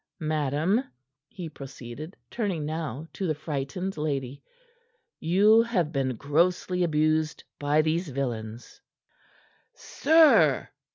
Madame," he proceeded, turning now to the frightened lady, "you have been grossly abused by these villains." "Sir!"